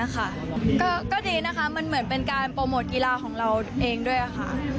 ก็ดีนะคะมันเหมือนเป็นการโปรโมทกีฬาของเราเองด้วยค่ะ